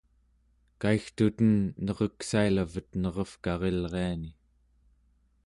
kaigtuten nereksailavet nerevkarilriani